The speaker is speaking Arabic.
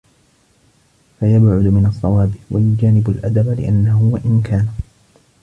فَيَبْعُدُ مِنْ الصَّوَابِ وَيُجَانِبُ الْأَدَبَ ؛ لِأَنَّهُ وَإِنْ كَانَ